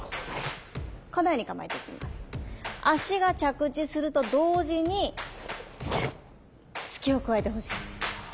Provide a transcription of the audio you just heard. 足が着地すると同時に突きを加えてほしいです。